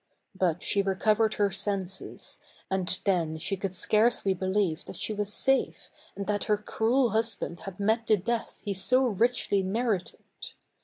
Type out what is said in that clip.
But she re covered her senses, and then she could scarcely believe that she was safe, and that her cruel husband had met the death he so richly merited.